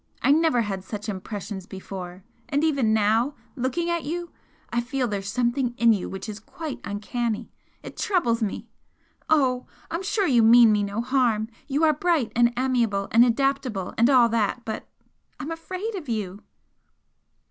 I never had such impressions before and even now, looking at you, I feel there's something in you which is quite "uncanny," it troubles me! Oh! I'm sure you mean me no harm you are bright and amiable and adaptable and all that but I'm afraid of you!"